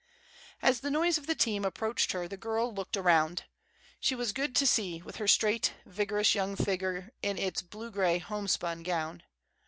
As the noise of the team approached her, the girl looked around. She was good to see, with her straight, vigorous young figure in its blue gray homespun gown.